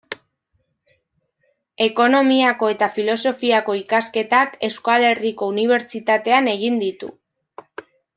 Ekonomiako eta Filosofiako ikasketak Euskal Herriko Unibertsitatean egin ditu.